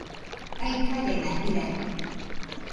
aikarena jirari